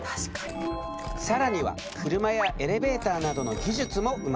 更には車やエレベーターなどの技術も生まれた。